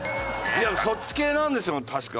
そっち系なんですよ確か。